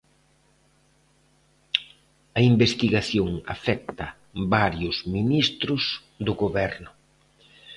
A investigación afecta varios ministros do Goberno.